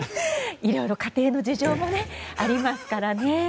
いろいろ家庭の事情もありますからね。